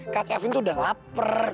kak kevin itu udah lapar